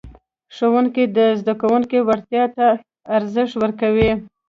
ښوونکي د زده کوونکو وړتیا ته ارزښت ورکولو.